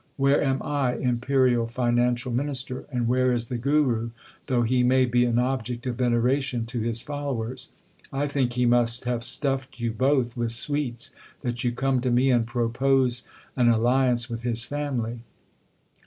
Where am I, imperial Financial Minister ? and where is the Guru, though he may be an object of veneration to his followers ? I think he must have stuffed you both with sweets l that you come to me and propose an alliance with his family.